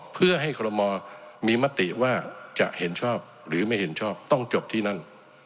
เพื่อให้คอลโมมีมติว่าจะเห็นชอบหรือไม่เห็นชอบต้องจบที่นั่น